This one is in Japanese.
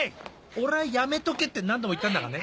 俺はやめとけって何度も言ったんだがね。